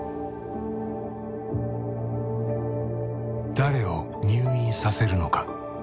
誰を入院させるのか。